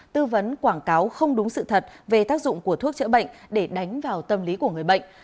tư vấn quảng cáo không đúng sự thật về tác dụng của thuốc chữa bệnh để đánh vào tâm lý của người bệnh